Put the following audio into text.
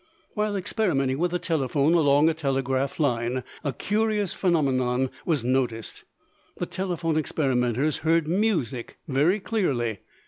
While experimenting with a telephone along a telegraph line a curious phenomenon was noticed. The telephone experimenters heard music very clearly.